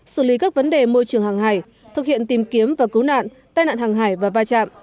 xử lý các vấn đề môi trường hàng hải thực hiện tìm kiếm và cứu nạn tai nạn hàng hải và va chạm